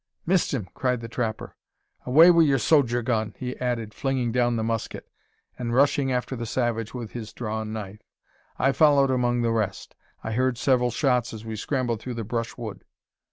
"Missed him!" cried the trapper. "Away wi' yur sodger gun!" he added, flinging down the musket, and rushing after the savage with his drawn knife. I followed among the rest. I heard several shots as we scrambled through the brushwood.